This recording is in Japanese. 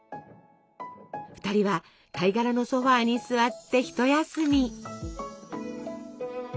２人は貝殻のソファーに座って一休み。